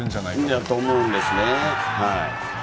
そうだと思うんですよね。